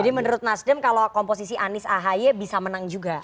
jadi menurut nasdem kalau komposisi anies ahy bisa menang juga